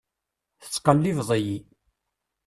Tetttqellibeḍ-iyi.